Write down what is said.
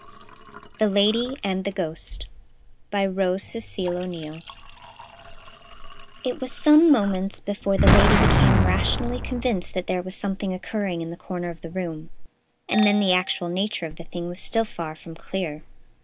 The Lady and the Ghost BY ROSE CECIL O'NEILL It was some moments before the Lady became rationally convinced that there was something occurring in the corner of the room, and then the actual nature of the thing was still far from clear.